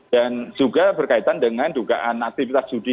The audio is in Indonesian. dan juga berkaitan dengan dugaan aktivitas judi